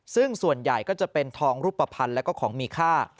ซึ่งส่วนใหญ่ก็จะเป็นทองรูปภัณฑ์แล้วก็ของมีค่า